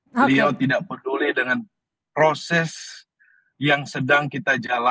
beliau tidak peduli dengan proses yang sedang kita jalankan